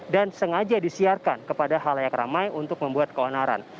dan sengaja disiarkan kepada hal layak ramai untuk membuat keonaran